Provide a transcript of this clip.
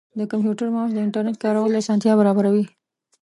د کمپیوټر ماؤس د انټرنیټ کارولو اسانتیا برابروي.